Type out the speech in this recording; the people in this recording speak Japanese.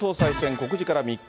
告示から３日。